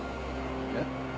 えっ？